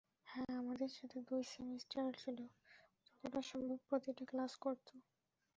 হ্যাঁ, আমাদের সাথে দুই সেমিস্টারে ছিল, যতটা সম্ভব প্রতিটা ক্লাস করতো।